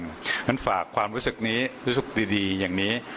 เพราะฉะนั้นฝากความรู้สึกนี้รู้สึกดีอย่างนี้